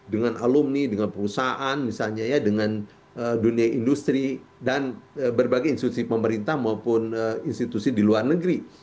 dengan alumni dengan perusahaan misalnya ya dengan dunia industri dan berbagai institusi pemerintah maupun institusi di luar negeri